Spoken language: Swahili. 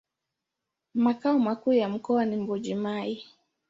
Makao makuu ya mkoa ni Mbuji-Mayi.